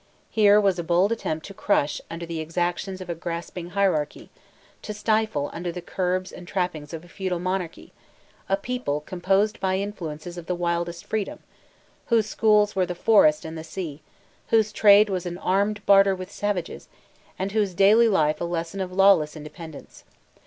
Here was a bold attempt to crush under the exactions of a grasping hierarchy, to stifle under the curbs and trappings of a feudal monarchy, a people compassed by influences of the wildest freedom, whose schools were the forest and the sea, whose trade was an armed barter with savages, and whose daily life a lesson of lawless independence.